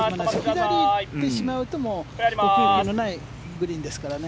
左に行ってしまうともう奥行きのないグリーンですからね。